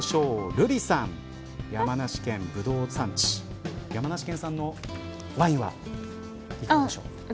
瑠麗さん、山梨県ぶどうの産地山梨県産のワインはいかがでしょう。